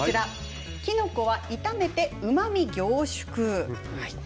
きのこは炒めてうまみ凝縮。